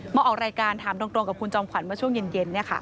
มาออกรายการถามตรงกับคุณจอมขวัญเมื่อช่วงเย็น